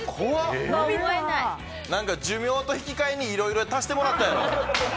寿命と引き換えにいろいろ足してもらったやろ！